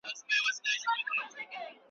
د مثال په ډول زه دادی اوس یو آزاد شعر لیکم .